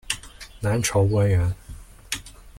南朝官员。